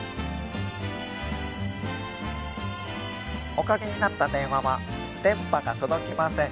おかけになった電話は電波が届きません。